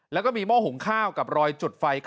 แล้วก็มีหม้อหุงข้าวกับรอยจุดไฟ